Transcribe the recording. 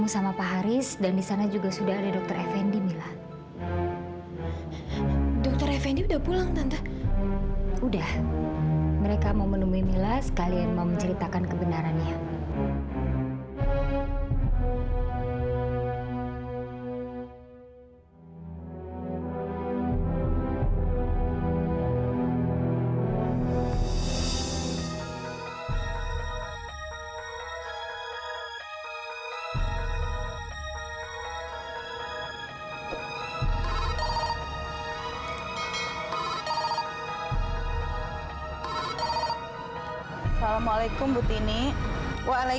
sampai jumpa di video selanjutnya